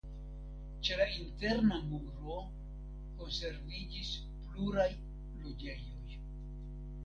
Ĉe la interna muro konserviĝis pluraj loĝejoj.